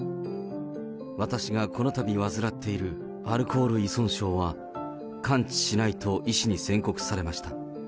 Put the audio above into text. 私がこのたび、患っているアルコール依存症は、完治しないと医師に宣告されました。